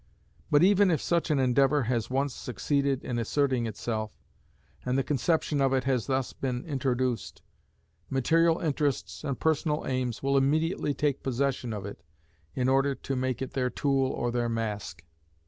But even if such an endeavour has once succeeded in asserting itself, and the conception of it has thus been introduced, material interests and personal aims will immediately take possession of it, in order to make it their tool or their mask.